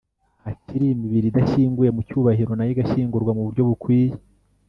ahakiri imibiri idashyinguye mu cyubahiro nayo igashyingurwa mu buryo bukwiye